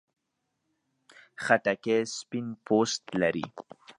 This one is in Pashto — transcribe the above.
خټکی سپین پوست لري.